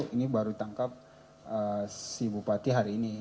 ini baru tangkap si bupati hari ini